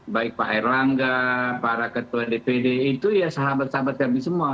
baik pak erlangga para ketua dpd itu ya sahabat sahabat kami semua